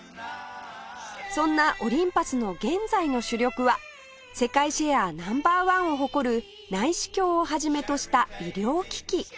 そんなオリンパスの現在の主力は世界シェアナンバーワンを誇る内視鏡を始めとした医療機器